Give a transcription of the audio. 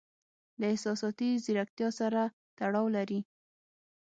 له احساساتي زیرکتیا سره تړاو لري.